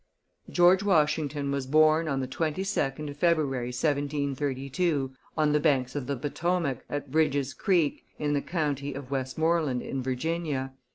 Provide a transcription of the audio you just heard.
George Washington was born on the 22d of February, 1732, on the banks of the Potomac, at Bridge's Creek, in the county of Westmoreland in Virginia.